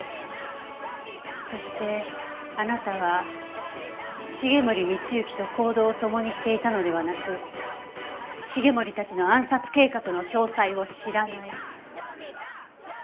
そしてあなたは繁森光之と行動を共にしていたのではなく繁森たちの暗殺計画の詳細を知らない。